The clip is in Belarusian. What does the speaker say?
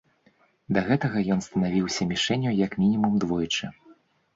Да гэтага ён станавіўся мішэнню як мінімум двойчы.